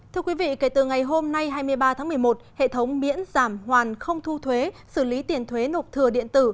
thưa quý vị kể từ ngày hôm nay hai mươi ba tháng một mươi một hệ thống miễn giảm hoàn không thu thuế xử lý tiền thuế nộp thừa điện tử